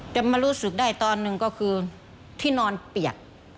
จะมารู้สึกได้ตอนหนึ่งก็คือที่นอนเปียก